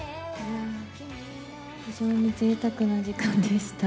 非常にぜいたくな時間でした。